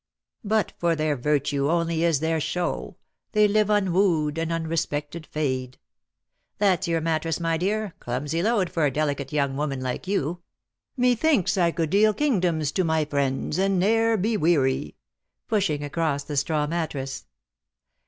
' But, for their virtue only is their show ; They live unwoo'd, and unrespeeted fade.' There's your mattress, my dear; clumsy load for a delicate young woman like you. ' Methinks I could deal kingdoms to my friends, And ne'er be weary ;'" pushing across the straw mattress.